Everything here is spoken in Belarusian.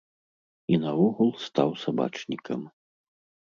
І наогул стаў сабачнікам.